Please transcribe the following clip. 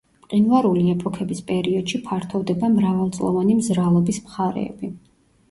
მყინვარული ეპოქების პერიოდში ფართოვდება მრავალწლოვანი მზრალობის მხარეები.